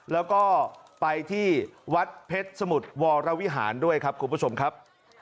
แล้วก็ไปที่วัดเพชรสมุทรวรวิหารด้วยครับคุณผู้ชมครับ